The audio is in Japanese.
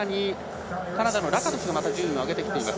カナダのラカトシュも順位を上げています。